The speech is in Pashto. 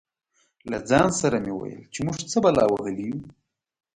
له ځان سره مې ویل چې موږ څه بلا وهلي یو.